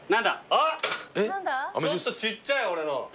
あっちょっとちっちゃい俺の。